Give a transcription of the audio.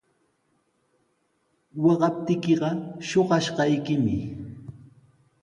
Waqaptiykiqa shuqashqaykimi.